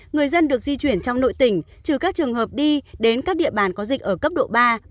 người dân được di chuyển trong nội tỉnh trừ các trường hợp đi đến các địa bàn có dịch ở cấp độ ba